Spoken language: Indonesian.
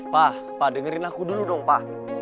pa pa dengerin aku dulu dong pa